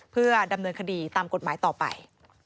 เพื่อดำเนินคดีตามกฎหมายต่อไป